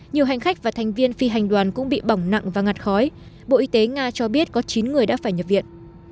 nhiều hành khách và thành viên phi hành đoàn cũng bị bỏng nặng và ngặt khói bộ y tế nga cho biết có chín người đã phải nhập viện